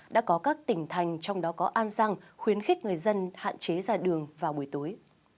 đã có các tỉnh thành trong đó có an giang khuyến khích người dân hạn chế ra đường vào buổi tối